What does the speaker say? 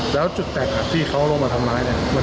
แล้วจุดจักรที่เขาร่วมมาทำร้ายมันเกิดจากอะไร